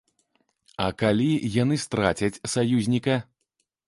А калі яны страцяць саюзніка?